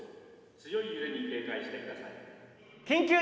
強い揺れに警戒してください」。